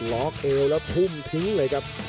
ล้อกเอวแล้วพุมพิ้งเลยครับ